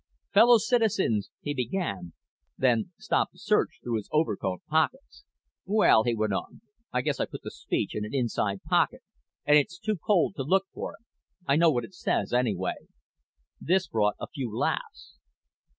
"Fellow citizens," he began, then stopped to search through his overcoat pockets. "Well," he went on, "I guess I put the speech in an inside pocket and it's too cold to look for it. I know what it says, anyway." This brought a few laughs.